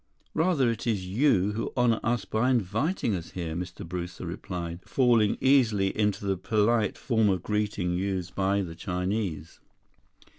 "Rather it is you who honor us by inviting us here," Mr. Brewster replied, falling easily into the polite form of greeting used by the Chinese.